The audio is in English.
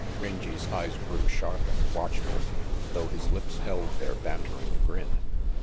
Rangy 's eyes grew sharp and watchful, though his lips held their bantering grin.